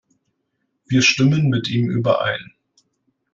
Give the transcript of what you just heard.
Wir stimmen mit ihm überein.